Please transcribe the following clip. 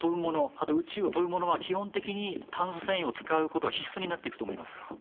あと宇宙を飛ぶものは基本的に炭素繊維を使うことは必須になっていくと思います